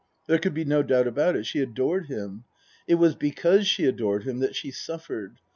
There could be no doubt about it, she adored him. It was because she adored him that she suffered.